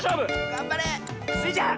がんばれ！スイちゃん！